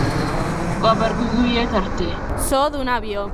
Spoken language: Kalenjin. kobar kuikuiet arte